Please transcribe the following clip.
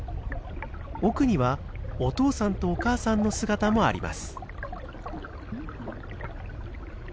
奥にはお父さんとお母さんの姿もあります。